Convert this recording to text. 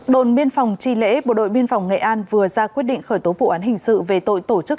đồn biên phòng tri lễ bộ đội biên phòng nghệ an vừa ra quyết định khởi tố vụ án hình sự về tội tổ chức